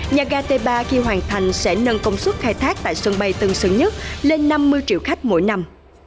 nhà ga t ba khi hoàn thành sẽ nâng công suất khai thác tại sân bay tân sơn nhất lên năm mươi triệu khách mỗi năm